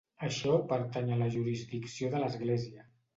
Això pertany a la jurisdicció de l"església.